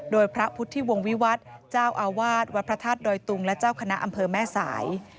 โดยพระพุทธิวงวิวัฒน์เจ้าอาวาสวัดพระธาตุดอยตุงและเจ้าคณะอำเภอแม่สาย